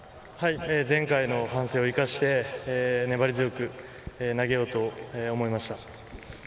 前回の反省を生かして粘り強く投げようと思いました。